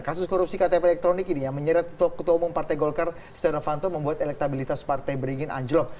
kasus korupsi ktp elektronik ini yang menyeret ketua umum partai golkar setia novanto membuat elektabilitas partai beringin anjlok